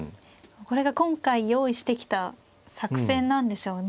これが今回用意してきた作戦なんでしょうね。